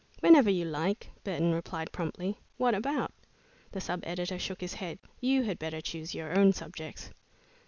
"Whenever you like," Burton replied promptly. "What about?" The sub editor shook his head. "You had better choose your own subjects."